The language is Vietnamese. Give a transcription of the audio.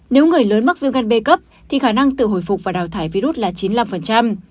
nếu người lớn mắc viêm gan b cấp thì khả năng tự hồi phục và đào thải virus là chín mươi năm